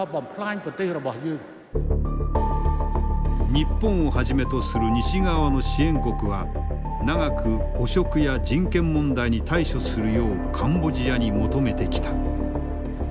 日本をはじめとする西側の支援国は長く汚職や人権問題に対処するようカンボジアに求めてきた。